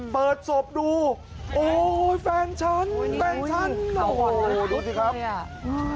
เปิดศพดูโอ้โฮแฟนฉันแฟนฉันโอ้โฮดูสิครับ